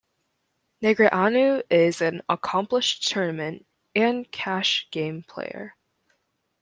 Negreanu is an accomplished tournament and cash game player.